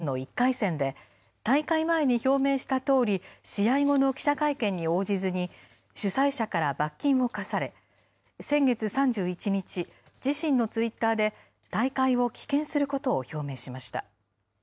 大坂選手は、全仏オープンの１回戦で、大会前に表明したとおり、試合後の記者会見に応じずに、主催者から罰金を課され、先月３１日、自身のツイッターで、大会を棄権することを表明しました。